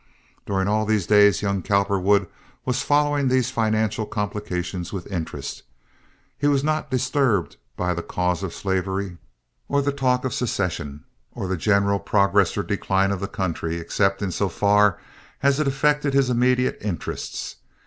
During all these days young Cowperwood was following these financial complications with interest. He was not disturbed by the cause of slavery, or the talk of secession, or the general progress or decline of the country, except in so far as it affected his immediate interests.